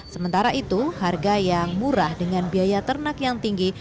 sementara itu harga yang murah dengan biaya ternak yang tinggi